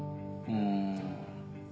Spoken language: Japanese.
うん。